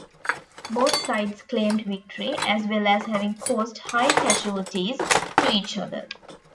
Both sides claimed victory, as well as having caused high casualties to each other.